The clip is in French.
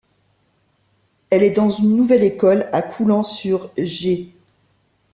Elle est dans une nouvelle école, à Coulans-sur-Gee.